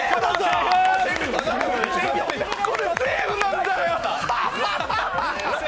セーフなんだよ！